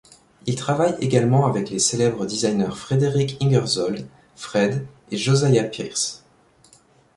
Il travaille également avec les célèbres designers Frederick Ingersoll, Fred et Josiah Pearce.